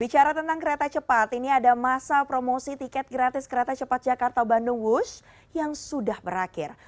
bicara tentang kereta cepat ini ada masa promosi tiket gratis kereta cepat jakarta bandung wush yang sudah berakhir